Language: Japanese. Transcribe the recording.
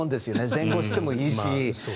前後してもいいし。